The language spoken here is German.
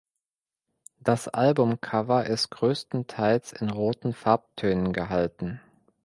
Das Albumcover ist größtenteils in roten Farbtönen gehalten.